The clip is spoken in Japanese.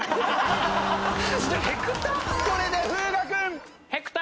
これで風雅君。